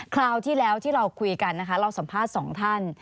คราวที่แล้วที่เราคุยกันนะคะเราสัมภาษณ์สองท่าน